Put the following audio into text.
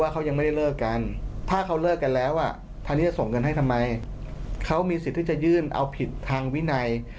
เขามีสิทธิ์ที่จะยื่นเอาผิดทางวินัย